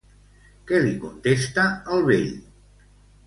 Què li contesta el vell?